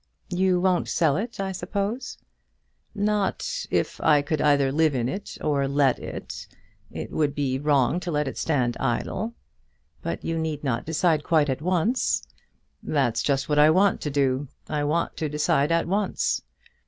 "You won't sell it, I suppose?" "Not if I could either live in it, or let it. It would be wrong to let it stand idle." "But you need not decide quite at once." "That's just what I want to do. I want to decide at once."